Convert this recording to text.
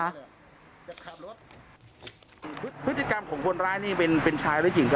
จะขาบรถพฤติกรรมของคนร้ายนี่เป็นเป็นชายหรือหญิง